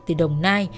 từ đồng nai